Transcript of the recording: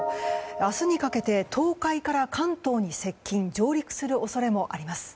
明日にかけて東海から関東に接近・上陸する恐れもあります。